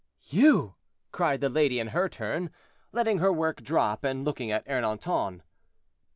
"You!" cried the lady in her turn, letting her work drop, and looking at Ernanton.